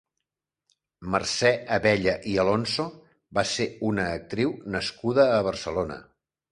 Mercè Abella i Alonso va ser una actriu nascuda a Barcelona.